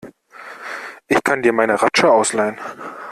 Ich kann dir meine Ratsche ausleihen.